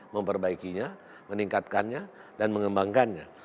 memperbaikinya meningkatkannya dan mengembangkannya